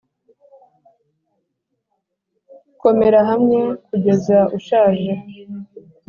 komera hamwe kugeza ushaje.